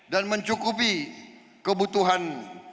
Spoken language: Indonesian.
dan mencukupi kebutuhan